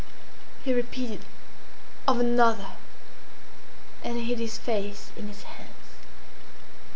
He repeated, "of another!" And he hid his face in his hands.